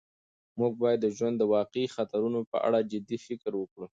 موږ باید د ژوند د واقعي خطرونو په اړه جدي فکر وکړو.